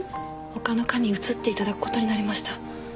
他の科に移っていただくことになりました。